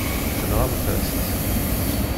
Tenɣamt-as-tt.